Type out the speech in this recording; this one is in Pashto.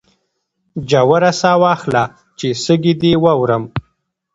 ژوره ساه واخله چې سږي دي واورم